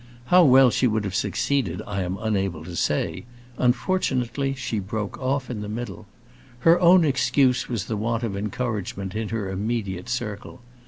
How well she would have succeeded I am unable to say; unfortunately she broke off in the middle. Her own excuse was the want of encouragement in her immediate circle.